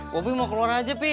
mobil mau keluar aja pi